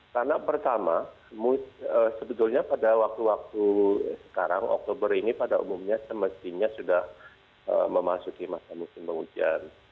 karena pertama sebetulnya pada waktu waktu sekarang oktober ini pada umumnya semestinya sudah memasuki masa musim hujan